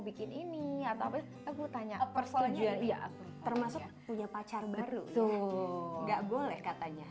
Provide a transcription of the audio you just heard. bikin ini atau apa aku tanya persoalannya iya aku termasuk punya pacar baru tuh nggak boleh katanya